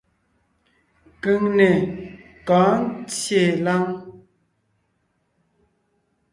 Keŋne kɔ̌ɔn ńtyê láŋ.